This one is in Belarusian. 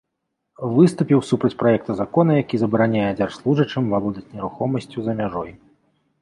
Выступіў супраць праекта закона, які забараняе дзяржслужачым валодаць нерухомасцю за мяжой.